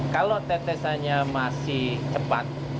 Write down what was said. kalau tetesannya masih cepat